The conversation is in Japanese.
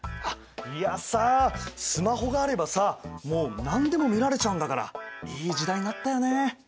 いやさスマホがあればさもう何でも見られちゃうんだからいい時代になったよね。